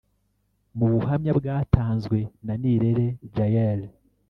Mu buhamya bwatanzwe na Nirere Jaelle